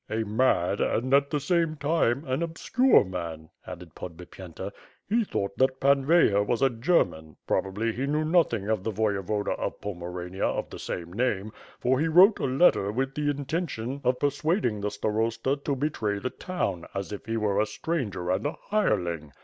"A mad and, at the same time, an obscure man," addecj Podbipyenta. "He thought that Pan Veyher was a German — ^probably he knew nothing of the Voyevoda of Pomerania of the same name, for he wrote a letter with the intention of 5JI WITH FIRE AND SWORD. persuading the Starosta to betray the town, as if he were a stranger and a hireling.